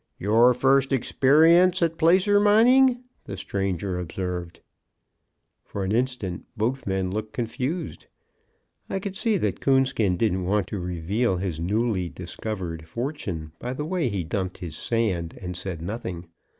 "Your first experience at placer mining?" the stranger observed. "For an instant both men looked confused. I could see that Coonskin didn't want to reveal his newly discovered fortune by the way he dumped his sand and said nothing.